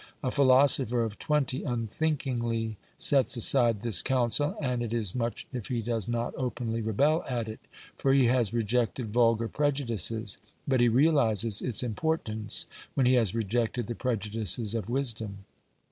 A philosopher of twenty unthinkingly sets aside this counsel, and it is much if he does not openly rebel at it, for he has rejected vulgar prejudices, but he realises its import ance when he has rejected the prejudices of wisdom.